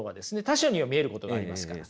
他者には見えることがありますから。